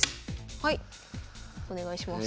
はいお願いします。